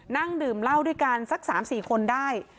นั่งดื่มเหล้าด้วยกันสัก๓๔คนได้